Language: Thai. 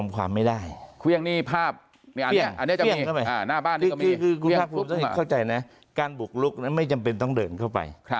การบุกลุกนั้นไม่จำเป็นต้องเดินเข้าไป